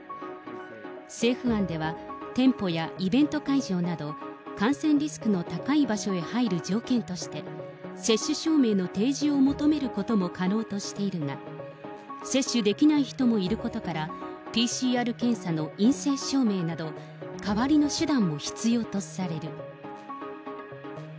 政府案では、店舗やイベント会場など、感染リスクの高い場所へ入る条件として、接種証明の提示を求めることも可能としているが、接種できない人もいることから、ＰＣＲ検査の陰性証明など、代わりの手段も必要とされる。